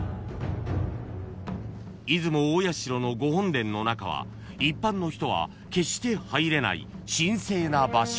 ［出雲大社のご本殿の中は一般の人は決して入れない神聖な場所］